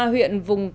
huyện vùng đông